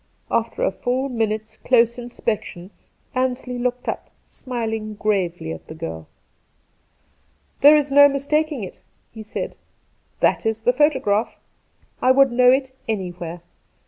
After a full minute's close inspection, Ansley looked up, smiling gravely at the girl. ' There is no mistaking it,' he said ;' that is the photograph. I would know it anywhere.